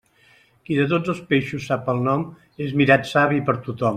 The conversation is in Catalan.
Qui de tots els peixos sap el nom, és mirat savi per tothom.